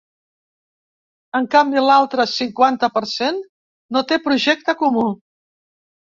En canvi, l’altre cinquanta per cent no té projecte comú.